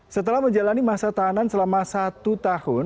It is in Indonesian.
setelah menjalani masa tahanan selama satu tahun